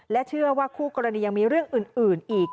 เชื่อว่าคู่กรณียังมีเรื่องอื่นอีก